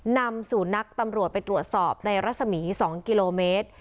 นำสู่นักตำรวจไปตรวจสอบในรัศมี๒กิโลเมตร